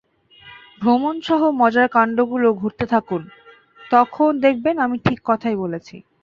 ভ্রমণসহ মজার কাণ্ডগুলো ঘুরতে থাকুক, তখন দেখবেন আমি ঠিক কথাই বলেছি।